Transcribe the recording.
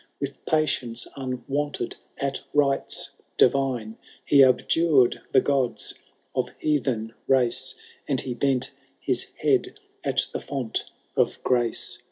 With patience unwonted at rites divine ; He abjured the gods of heathen race. And he bent his head at the font of grace.